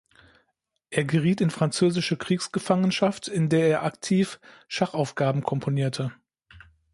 Er geriet in französische Kriegsgefangenschaft, in der er aktiv Schachaufgaben komponierte.